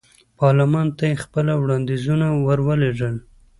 پارلمان ته یې خپل وړاندیزونه ور ولېږل.